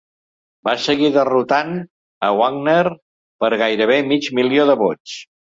Va seguir derrotant a Wagner per gairebé mig milió de vots.